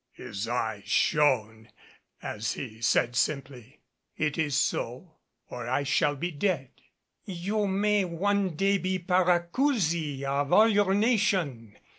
His eyes shone as he said simply, "It is so or I shall be dead." "You may one day be Paracousi of all your nation.